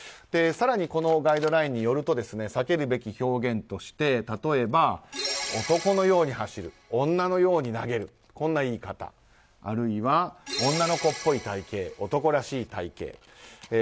更に、このガイドラインによると避けるべき表現として例えば、男のように走る女のように投げるあるいは、女の子っぽい体形男らしい体形。